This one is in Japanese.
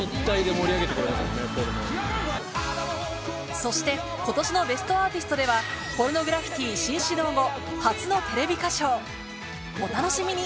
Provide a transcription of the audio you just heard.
そして今年の『ベストアーティスト』ではポルノグラフィティ新始動後初のテレビ歌唱お楽しみに！